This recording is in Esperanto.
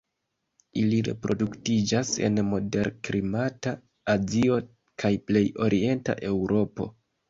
Ili reproduktiĝas en moderklimata Azio kaj plej orienta Eŭropo.